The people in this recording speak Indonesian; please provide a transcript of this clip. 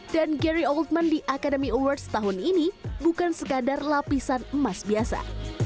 dan gary oldman di academy awards tahun ini bukan sekadar lapisan emas biasa